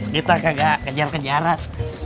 kita kan gak kejar kejaran